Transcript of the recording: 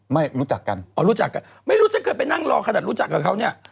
ไม่รู้จักกันอ๋อรู้จักกันไม่รู้ฉันเคยไปนั่งรอขนาดรู้จักกับเขาเนี่ย